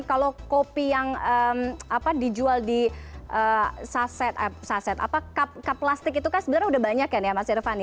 kalau kopi yang dijual di saset cup plastik itu kan sebenarnya udah banyak kan ya mas yerevan